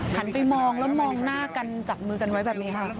หันไปมองแล้วมองหน้ากันจับมือกันไว้แบบนี้ค่ะ